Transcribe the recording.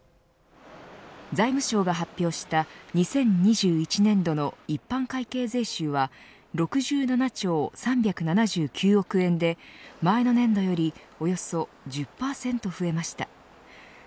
財務省が発表した２０２１年度の一般会計税収は６７兆３７９億円で前の年度よりおよそ１０％増えました。